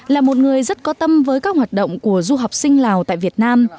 là một người rất có tâm với các hoạt động của du học sinh lào tại việt nam